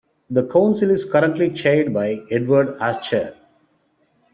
The Council is currently chaired by Edward Asscher.